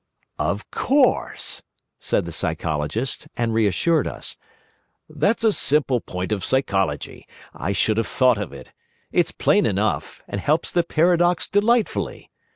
"Of course," said the Psychologist, and reassured us. "That's a simple point of psychology. I should have thought of it. It's plain enough, and helps the paradox delightfully.